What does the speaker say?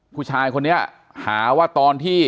ผู้ชายคนนี้หาว่าตอนที่